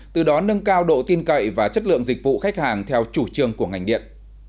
từ đó nâng cao độ tin cậy và chất lượng dịch vụ khách hàng theo chủ trương của ngành điện